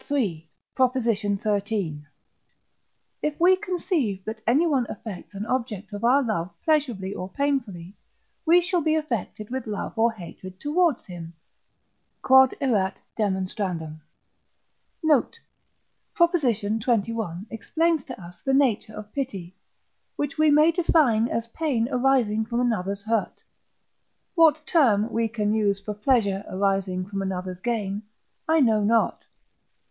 xiii. note), if we conceive that anyone affects an object of our love pleasurably or painfully, we shall be affected with love or hatred towards him. Q.E.D. Note. Prop. xxi. explains to us the nature of Pity, which we may define as pain arising from another's hurt. What term we can use for pleasure arising from another's gain, I know not.